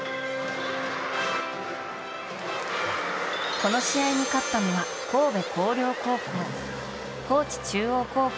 この試合に勝ったのは神戸弘陵高校。